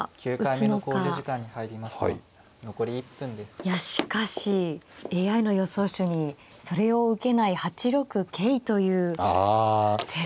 いやしかしＡＩの予想手にそれを受けない８六桂という手が。